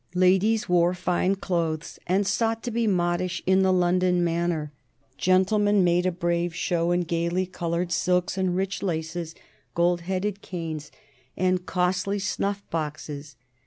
Ladies wore fine clothes and sought to be modish in the London manner; gentlemen made a brave show in gayly colored silks and rich laces, gold headed canes and costly snuff boxes.